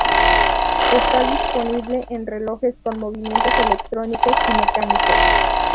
Está disponible en relojes con movimientos electrónicos y mecánicos.